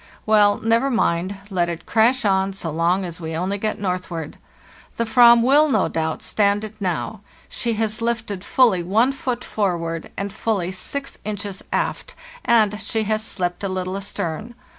Well, never mind, let it crash on so long as we only get northward. The Avram will, no doubt, stand it now; she has lifted fully one foot for ward and fully six inches aft, and she has slipped a little astern.